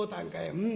「うん。